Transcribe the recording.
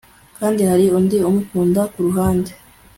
kandi hari undi umukunda ku ruhande